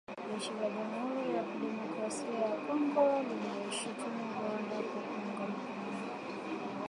Jeshi la jamhuri ya kidemokrasia ya Kongo linaishutumu Rwanda kwa kuunga mkono